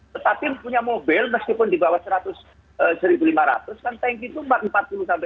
tetapi punya mobil meskipun di bawah seratus seribu lima ratus kan tank itu empat puluh enam puluh liter